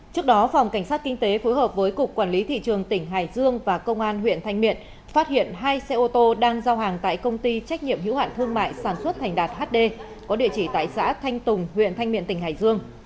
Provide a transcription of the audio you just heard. trước đó phòng cảnh sát kinh tế phối hợp với cục quản lý thị trường tỉnh hải dương và công an huyện thanh miện phát hiện hai xe ô tô đang giao hàng tại công ty trách nhiệm hữu hạn thương mại sản xuất thành đạt hd có địa chỉ tại xã thanh tùng huyện thanh miện tỉnh hải dương